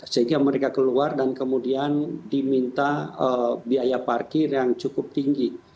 sehingga mereka keluar dan kemudian diminta biaya parkir yang cukup tinggi